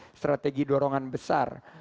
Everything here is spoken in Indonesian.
sebagai strategi dorongan besar